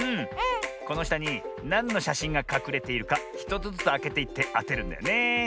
このしたになんのしゃしんがかくれているか１つずつあけていってあてるんだよねえ。